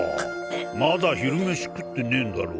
まだ昼飯食ってねぇんだろ？